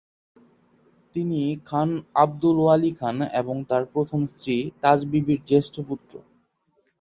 তিনি খান আব্দুল ওয়ালী খান এবং তার প্রথম স্ত্রী তাজ বিবির জ্যেষ্ঠ পুত্র।